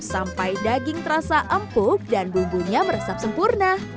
sampai daging terasa empuk dan bumbunya meresap sempurna